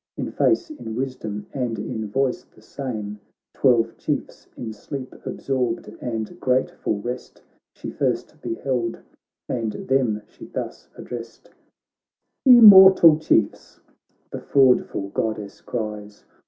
In face, in wisdom, and invoice the same. Twelve Chiefs in sleep absorbed and grateful rest She first beheld, and them she .thus addrest :' Immortal Chiefs,' the fraudful Goddess cries.